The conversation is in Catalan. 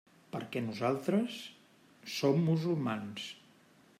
Perquè nosaltres... som musulmans.